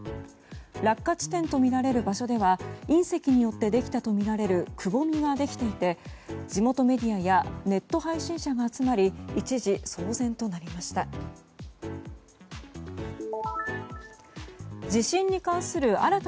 落下地点とみられる場所では隕石によってできたとみられるくぼみができていて地元メディアやネット配信者が集まり一時騒然となりました。